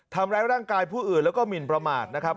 ทำร้ายร่างกายผู้อื่นแล้วก็หมินประมาทนะครับ